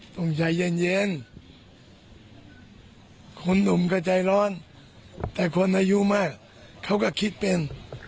ต้องใจเย็นคุณหนุ่มก็ใจร้อนแต่คนอายุมากเขาก็คิดเป็น